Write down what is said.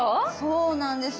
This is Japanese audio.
そうなんですよ。